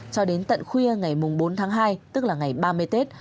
cho đến tận khuya ngày bốn tháng hai tức là ngày ba mươi tết